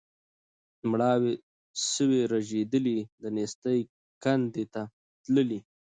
مړاوي سوي رژېدلي د نېستۍ کندي ته تللي